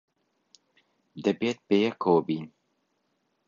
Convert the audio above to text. دەبێت بەیەکەوە بین.